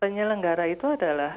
penyelenggara itu adalah